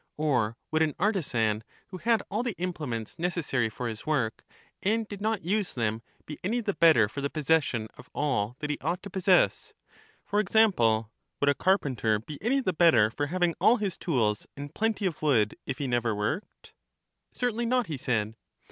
Or would an artisan, who had all the implements necessary for his work, and did not use them, be any the better for the possession of all that he ought to possess? For example, would a carpenter be any the better for having all his tools and plenty of wood, if he never worked? Certainly not, he said.